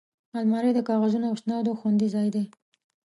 الماري د کاغذونو او اسنادو خوندي ځای دی